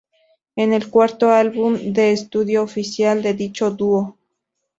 Es el cuarto álbum de estudio oficial de dicho dúo.